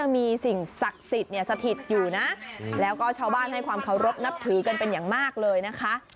มีความเคารพนับถือกันเป็นอย่างมากเลยนะคะ